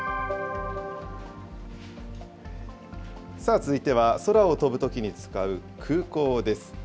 さあ、続いては空を飛ぶときに使う空港です。